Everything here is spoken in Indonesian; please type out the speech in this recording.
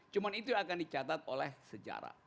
cuma itu yang akan dicatat oleh sejarah